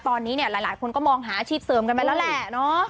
ตอนนี้เนี่ยหลายคนก็มองหาอาชีพเสริมกันไปแล้วแหละเนาะ